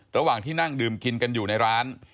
ระหว่างที่นั่งดื่มกินกันอยู่ในร้าน